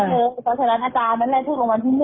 เอาจากพี่พัฒน์มาก็มีอาจารย์มาดู